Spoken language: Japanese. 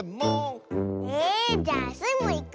えじゃあスイもいく。